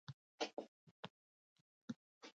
هغه د باران پر څنډه ساکت ولاړ او فکر وکړ.